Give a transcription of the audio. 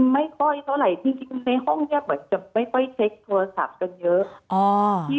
ไม่ค่อยเท่าไหร่จริงในห้องนี้เหมือนจะไม่ค่อยเช็คโทรศัพท์กันเยอะ